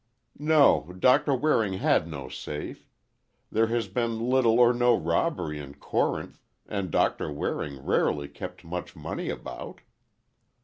"No, Doctor Waring had no safe. There has been little or no robbery in Corinth, and Doctor Waring rarely kept much money about."